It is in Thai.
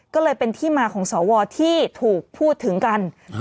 ก็เลยเป็นที่มาของสวที่ถูกพูดถึงกัน